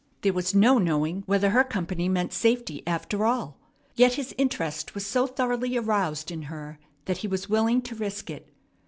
There was no knowing whether her company meant safety, after all. Yet his interest was so thoroughly aroused in her that he was willing to risk it.